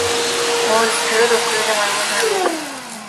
Молодость и природа ускорили мое выздоровление.